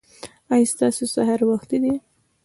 ایا ستاسو سهار وختي دی؟